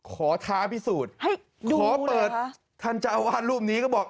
ขอท้าพิสูจน์ขอเปิดทันจาวรูปนี้ก็บอก